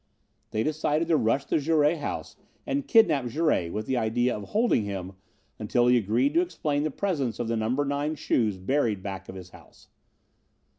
They decided to rush the Jouret house and kidnap Jouret with the idea of holding him until he agreed to explain the presence of the number nine shoes buried back of his house.